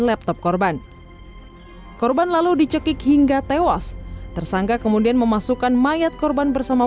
laptop korban korban lalu dicekik hingga tewas tersangka kemudian memasukkan mayat korban bersama